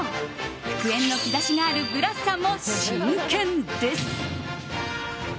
復縁の兆しがあるブラスさんも真剣です。